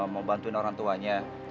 mau bantuin orang tuanya